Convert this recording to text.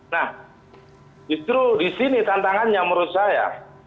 nah justru di sini tantangannya menurut saya